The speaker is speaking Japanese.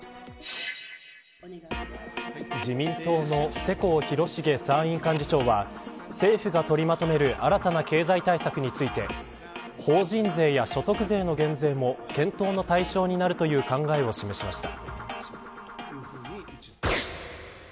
自民党の世耕弘成参院幹事長は政府が取りまとめる新たな経済対策について法人税や所得税の減税も検討の対象になるという考えを示しました。